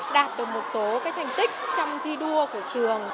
đạt được một số thành tích trong thi đua của trường